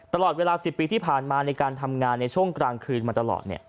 ตลอดเวลา๑๐ปีที่ผ่านมาในการทำงานในช่วงกลางคืนมาตลอด